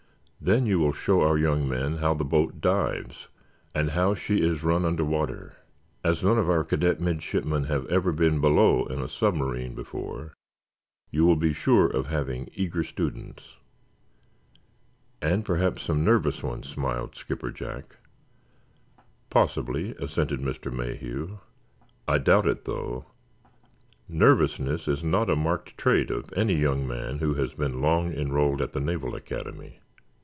Then you will show our young men how the boat dives, and how she is run under water. As none of our cadet midshipmen have ever been below in a submarine before, you will be sure of having eager students." "And perhaps some nervous ones," smiled Skipper Jack. "Possibly," assented Mr. Mayhew. "I doubt it, though. Nervousness is not a marked trait of any young man who has been long enrolled at the Naval Academy."